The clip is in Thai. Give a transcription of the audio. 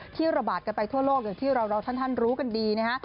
ที่ระบาดกันไปทั่วโลกอย่างที่เราท่านรู้กันดีนะฮะ